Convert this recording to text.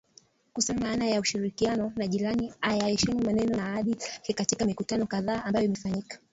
kusema maana ya ushirikiano na jirani ayaheshimu maneno na ahadi zake katika mikutano kadhaa ambayo imefanyika"